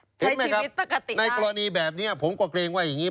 ใช้ชีวิตตะกะติงมากใช่ไหมครับในกรณีแบบนี้ผมก็เกรงว่าอย่างนี้